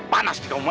panas juga umba